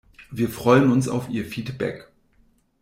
Wir freuen uns auf Ihr Feedback!